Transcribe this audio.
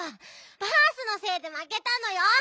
バースのせいでまけたのよ！